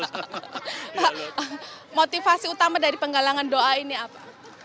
pak motivasi utama dari penggalangan doa ini apa